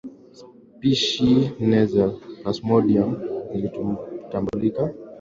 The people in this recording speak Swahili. spishi nne za palsmodium zilitambulika siku nyingi sana zilizopita